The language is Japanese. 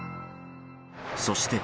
そして。